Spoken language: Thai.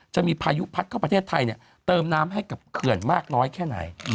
จะมีพายุพัดเข้าประเทศไทยเติมน้ำให้กับเขื่อนมากน้อยแค่ไหน